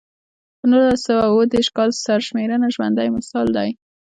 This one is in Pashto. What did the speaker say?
د نولس سوه اووه دېرش کال سرشمېرنه ژوندی مثال دی.